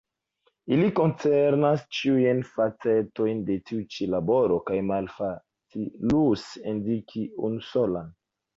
Ili koncernas ĉiujn facetojn de tiu ĉi laboro kaj malfacilus indiki unusolan.